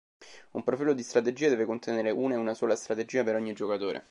Un profilo di strategie deve contenere una e una sola strategia per ogni giocatore.